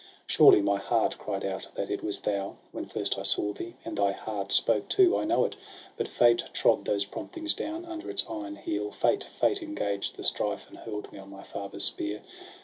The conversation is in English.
Surely my heart cried out that it was thou. When first I saw thee; and thy heart spoke too, I know it! but fate trod those promptings down Under its iron heel; fate, fate engaged The strife, and hmi'd me on my father's spear.